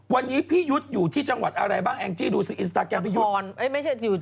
วันนี้พี่ยุทธ์อยู่ที่จังหวัดอะไรบ้างแองจี้ดูสิอินสตาแกรมพี่ยุทธ์